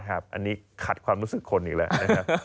อันนี้ขัดความรู้สึกคนอีกแล้วนะครับ